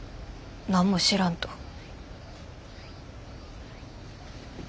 何も知らんと。